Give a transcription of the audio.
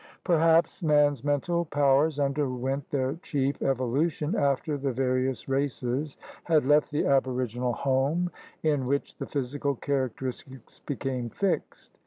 Perhaps THE APPROACHES TO AMERICA 11 man's mental powers underwent their chief evolu tion after the various races had left the aboriginal home in which the physical characteristics became fixed.